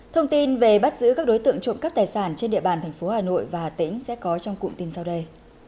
thông tin về bắt giữ các đối tượng trộm cắp tài sản trên địa bàn thành phố hà nội và hà tĩnh sẽ có trong cụm tin sau đây